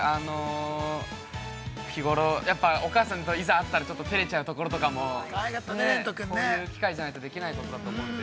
日ごろやっぱ、お母さんといざ会ったら、照れちゃうところも、こういう機会じゃないとできないと思うので。